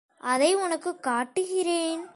அதை உனக்குக் காட்டுகிறேன்.